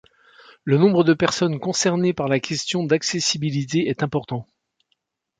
Le nombre de personnes concernées par la question d'accessibilité est important.